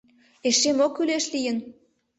Эше мо кӱлеш лийын?